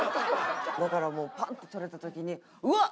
だからもうパーンッて取れた時にうわっ！